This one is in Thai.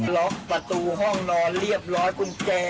ล็อกประตูห้องนอนเรียบร้อยกุญแจ